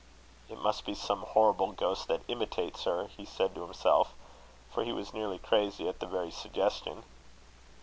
"It must be some horrible ghost that imitates her," he said to himself; for he was nearly crazy at the very suggestion.